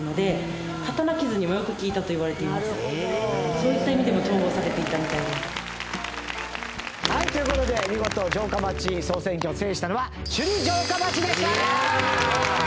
そういった意味でも重宝されていたみたいです。という事で見事城下町総選挙を制したのは首里城下町でした！